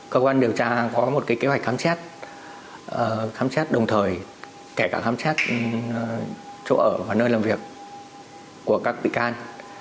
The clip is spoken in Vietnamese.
cơ quan điều tra có một kế hoạch khám xét khám xét đồng thời kể cả khám xét chỗ ở và nơi làm việc của các bị can